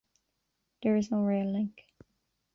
There is no rail link.